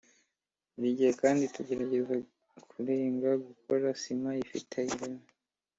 Buri gihe kandi tugerageza kurenga gukora sima ifite ireme